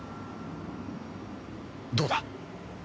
どうだ？